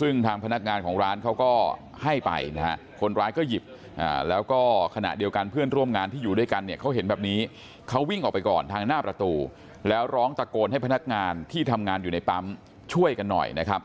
ซึ่งทางพนักงานของร้านเขาก็ให้ไปนะฮะคนร้ายก็หยิบแล้วก็ขณะเดียวกันเพื่อนร่วมงานที่อยู่ด้วยกันเนี่ยเขาเห็นแบบนี้เขาวิ่งออกไปก่อนทางหน้าประตูแล้วร้องตะโกนให้พนักงานที่ทำงานอยู่ในปั๊มช่วยกันหน่อยนะครับ